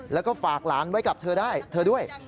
แล้วก็ฝากหลานไว้กับเธอได้เธอด้วย